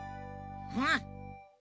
うん。